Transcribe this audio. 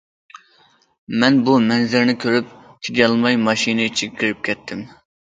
مەن بۇ مەنزىرىنى كۆرۈپ چىدىيالماي ماشىنا ئىچىگە كىرىپ كەتتىم.